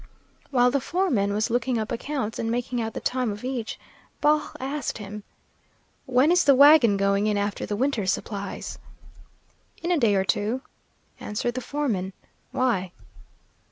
While the foreman was looking up accounts and making out the time of each, Baugh asked him, "When is the wagon going in after the winter's supplies?" "In a day or two," answered the foreman. "Why?"